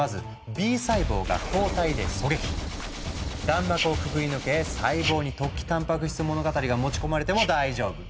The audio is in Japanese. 弾幕をくぐり抜け細胞に「突起たんぱく質物語」が持ち込まれても大丈夫。